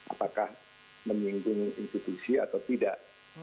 apakah menyinggung institusi atau tidak